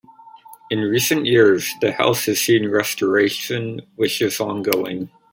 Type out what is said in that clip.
In recent years the house has seen restoration which is ongoing.